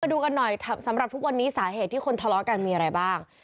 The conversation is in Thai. ดูกันหน่อยสำหรับทุกวันนี้สาเหตุที่คนทะเลาะกันมีอะไรบ้าง